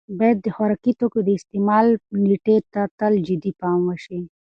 باید د خوراکي توکو د استعمال نېټې ته تل جدي پام وشي.